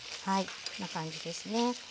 こんな感じですね。